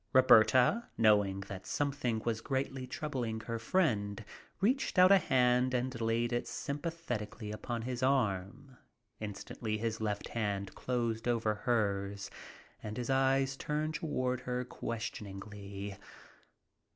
Roberta, knowing that something was greatly troubling her friend, reached out a hand and laid it sympathetically upon his arm. Instantly his left hand closed over hers and his eyes turned toward her questioningly.